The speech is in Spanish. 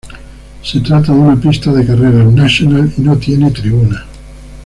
Se trata de una pista de carreras National, y no tiene tribunas.